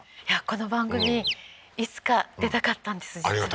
この番組、いつか出たかったんです、実は。